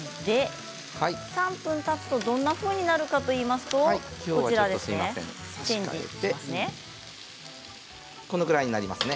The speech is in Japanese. ３分たつとどんなふうになるかといいますとこちらですね。